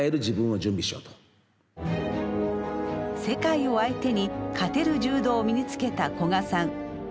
世界を相手に勝てる柔道を身につけた古賀さん。